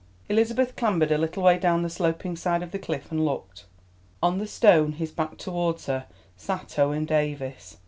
Elizabeth clambered a little way down the sloping side of the cliff and looked; on the stone, his back towards her, sat Owen Davies.